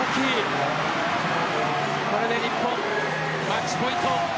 これで日本、マッチポイント。